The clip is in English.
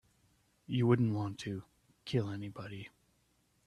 You wouldn't want to kill anybody.